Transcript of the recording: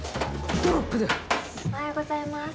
おはようございます。